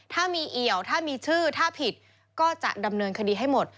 ถ้ามีเอี่ยวถ้ามีชื่อถ้าผิดก็จะดำเนินคดีให้หมด